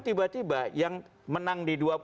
tiba tiba yang menang di